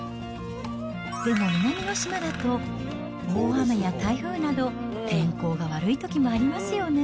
でも南の島だと、大雨や台風など、天候が悪いときもありますよね。